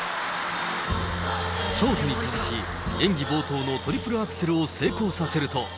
ショートに続き、演技冒頭のトリプルアクセルを成功させると。